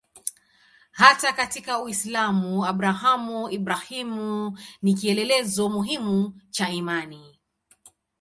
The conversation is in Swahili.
Hata katika Uislamu Abrahamu-Ibrahimu ni kielelezo muhimu cha imani.